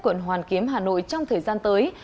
quận hoàn kiếm hà nội trong thời gian tới